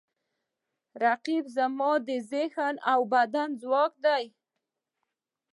رقیب زما د ذهن او بدن ځواک دی